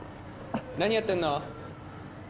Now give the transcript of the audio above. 何やってんの？